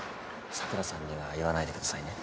桜さんには言わないでくださいね。